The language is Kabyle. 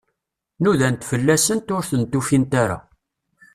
Nudant fell-asent, ur tent-ufint ara.